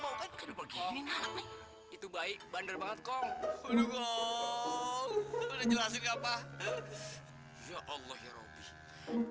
baik banget itu baik bander banget